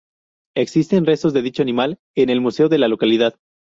Existen restos de dicho animal en el museo de la localidad.